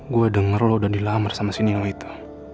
gue denger lo udah dilamar sama si nino itu